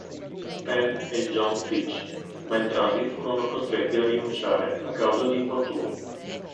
Penn e Jon Fitch, ma entrambi furono costretti a rinunciare a causa di infortuni.